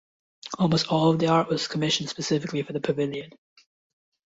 Almost all of the art was commissioned specifically for the pavilion.